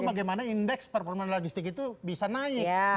bagaimana indeks performa logistik itu bisa naik